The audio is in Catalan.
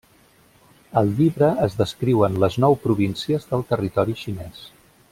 Al llibre es descriuen les nou províncies del territori xinès.